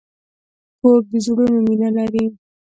کور د زړونو مینه لري.